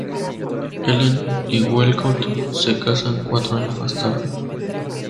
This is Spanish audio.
Ellen y Walcott se casan cuatro años más tarde.